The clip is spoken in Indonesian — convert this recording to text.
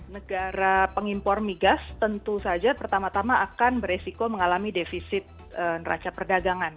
negara pengimpor migas tentu saja pertama tama akan beresiko mengalami defisit neraca perdagangan